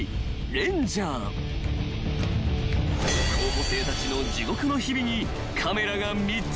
［候補生たちの地獄の日々にカメラが密着］